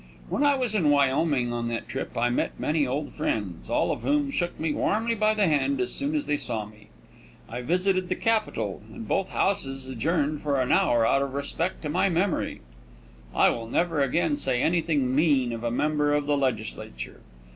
When I was in Wyoming on that trip I met many old friends, all of whom shook me warmly by the hand as soon as they saw me. I visited the Capitol, and both houses adjourned for an hour out of respect to my memory. I will never again say anything mean of a member of the legislature.